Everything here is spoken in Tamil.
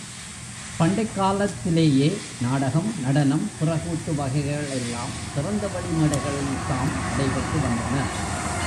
பண்டைக் காலத்திலேயே நாடகம், நடனம், பிற கூத்து வகைகள் எல்லாம் திறந்த வெளி மேடைகளில் தாம் நடைபெற்று வந்தன.